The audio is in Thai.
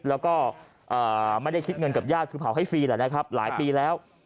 แล้วก็ไม่ได้คิดเงินกับญาติคือเผาให้ฟรีแหละนะครับหลายปีแล้ว